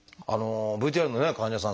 ＶＴＲの患者さん